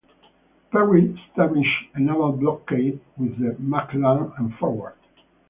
Perry established a naval blockade with the "McLane" and "Forward".